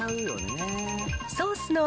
ソースの味